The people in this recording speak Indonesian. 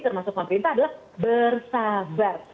termasuk pemerintah adalah bersabar